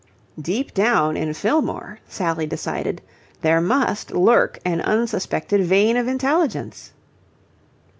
Deep down in Fillmore, Sally decided, there must lurk an unsuspected vein of intelligence.